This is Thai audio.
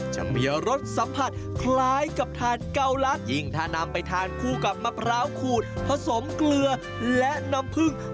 จะมีรสสัมผัสคล้ายกับทานเกาลักยิ่งถ้านำไปทานคู่กับมะพร้าวขูดผสมเกลือและน้ำผึ้ง